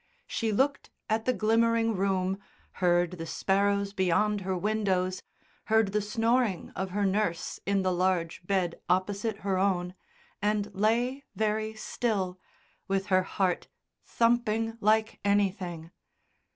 She looked at the glimmering room, heard the sparrows beyond her windows, heard the snoring of her nurse in the large bed opposite her own, and lay very still, with her heart thumping like anything.